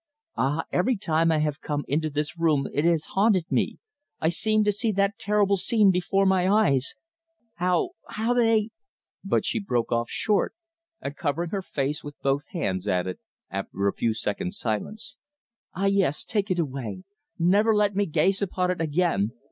Ah! every time I have come into this room it has haunted me I seem to see that terrible scene before my eyes how how they " But she broke off short, and covering her face with both hands added, after a few seconds' silence: "Ah! yes, take it away never let me gaze upon it again.